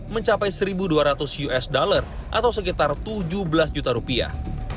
mencapai seribu dua ratus us dollar atau sekitar tujuh belas juta rupiah